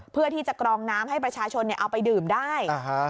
เพื่อที่จะกรองน้ำให้ประชาชนเอาไปดื่มได้